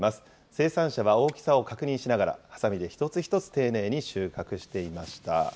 生産者は大きさを確認しながら、はさみで一つ一つ丁寧に収穫していました。